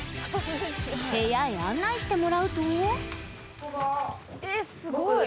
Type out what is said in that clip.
部屋へ案内してもらうと。